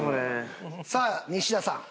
さあ西田さん。